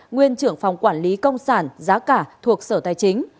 nguyên trưởng phòng quản lý công sản giá cả thuộc sở tài chính